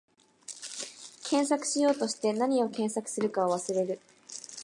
検索しようとして、なに検索するか忘れる